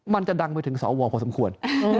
มันจะดังไปถึงสองเว้าร์พอสมควร